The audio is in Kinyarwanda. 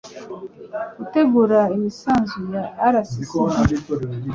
gutegura imisanzu ya rssb